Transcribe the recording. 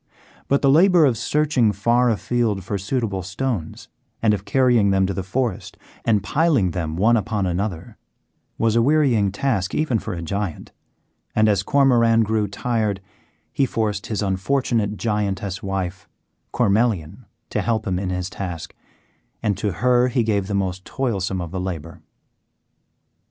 But the labour of searching far afield for suitable stones, and of carrying them to the forest and piling them one upon another, was a wearying task even for a giant, and as Cormoran grew tired he forced his unfortunate Giantess wife, Cormelian, to help him in his task, and to her he gave the most toilsome of the labour.